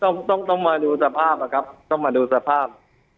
ต้องต้องมาดูสภาพอะครับต้องมาดูสภาพ